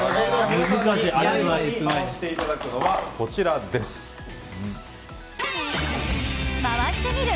続いて、回していただくのは「回してみる。」